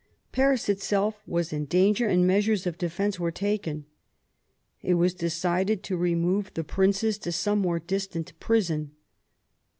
Paris itself was in danger, and measures of defence were taken. It was decided to remove the princes to some more distant prison.